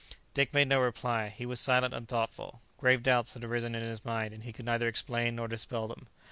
Dick made no reply. He was silent and thoughtful. Grave doubts had arisen in his mind, and he could neither explain nor dispel them.